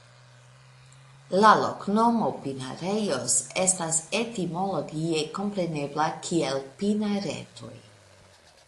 La loknomo "Pinarejos" estas etimologie komprenebla kiel Pinaretoj.